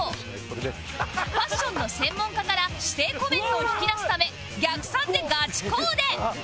ファッションの専門家から指定コメントを引き出すため逆算でガチコーデ